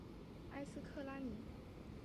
埃斯克拉尼。